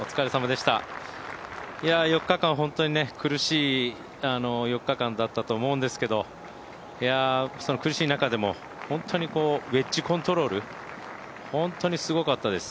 本当に苦しい４日間だったと思うんですけど苦しい中でも本当にウェッジコントロール、本当にすごかったです。